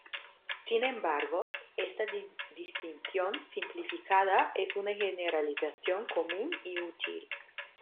Sin embargo, esta distinción simplificada es una generalización común y útil.